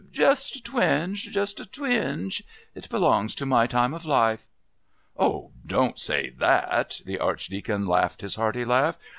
Just a twinge just a twinge.... It belongs to my time of life." "Oh, don't say that!" The Archdeacon laughed his hearty laugh.